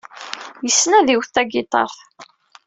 Yessen ad iwet tagiṭart.